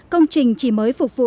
công trình chỉ mới phục vụ